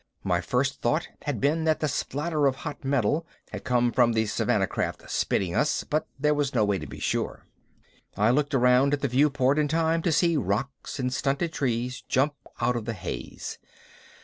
My first thought had been that the spatter of hot metal had come from the Savannah craft spitting us, but there was no way to be sure. I looked around at the viewport in time to see rocks and stunted trees jump out of the haze.